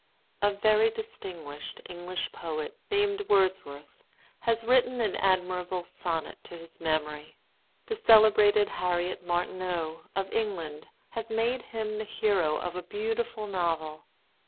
A very distinguished English poet, named Wordsworth, has written an admirable sonnet to his memory. The celebrated Harriet Martineau, of England, has made him the hero of a beautiful novel.